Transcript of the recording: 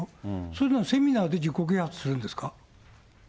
そういうのはセミナーで自己啓発するんですか？